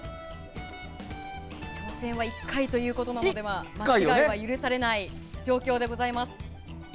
挑戦は１回ということなので間違いは許されない状況でございます。